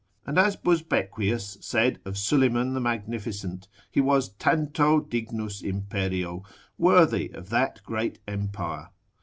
And as Busbequius said of Suleiman the Magnificent, he was tanto dignus imperio, worthy of that great empire.